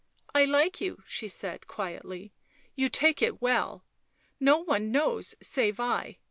" I like you," she said quietly. " You take it well. No one knows save I.